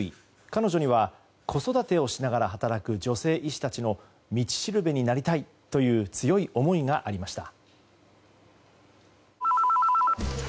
彼女には、子育てをしながら働く女性医師たちの道しるべになりたいという強い思いがありました。